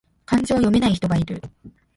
漢字を読めない人がいる